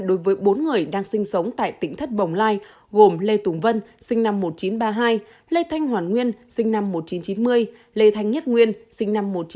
đối với bốn người đang sinh sống tại tỉnh thất bồng lai gồm lê tùng vân lê thanh hoàn nguyên lê thanh nhất nguyên